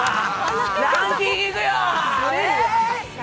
ランキングにいくよ。